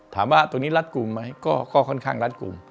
ถามว่าตรงนี้รัดกลุ่มไหมก็ค่อนข้างรัดกลุ่ม